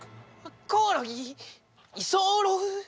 コオロギ？居候？